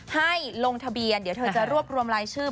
ให้ลงทะเบียนเดี๋ยวเธอจะรวบรวมรายชื่อ